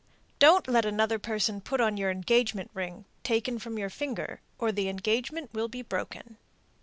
Don't let another person put on your engagement ring, taken from your finger, or the engagement will be broken.